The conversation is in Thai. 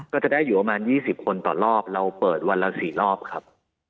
ก็จะได้อยู่ประมาณ๒๐คนต่อรอบเราเปิดวันละ๔รอบครับ